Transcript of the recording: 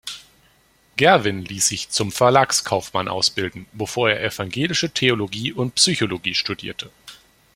Gerwin ließ sich zum Verlagskaufmann ausbilden, bevor er Evangelische Theologie und Psychologie studierte.